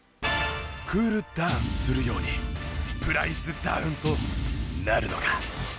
クールダウンするようにプライスダウンとなるのか？